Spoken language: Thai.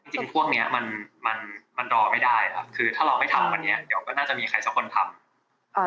จริงพวกเนี้ยมันมันรอไม่ได้ครับคือถ้าเราไม่ทำวันนี้เดี๋ยวก็น่าจะมีใครสักคนทำ